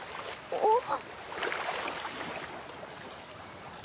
あっ。